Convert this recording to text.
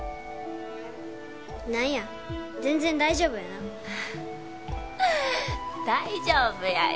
何や全然大丈夫やな大丈夫やよ